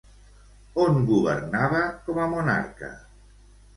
On governava com a monarca?